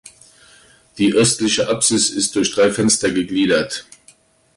Die östliche Apsis ist durch drei Fenster gegliedert.